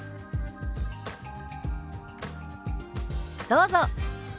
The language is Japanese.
どうぞ。